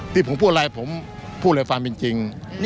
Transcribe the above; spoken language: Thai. ที่ผมพูดอะไรผมพูดเลยความเป็นจริง